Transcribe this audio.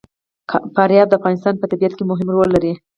فاریاب د افغانستان په طبیعت کې مهم رول لري.